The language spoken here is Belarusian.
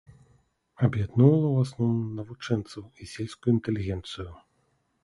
Аб'ядноўвала ў асноўным навучэнцаў і сельскую інтэлігенцыю.